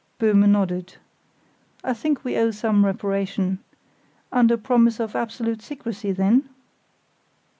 Böhme nodded. "I think we owe some reparation. Under promise of absolute secrecy, then?"